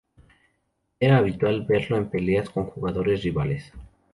Era habitual verlo en peleas con jugadores rivales.